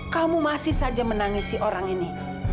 kamu masih saja menangis si orang ini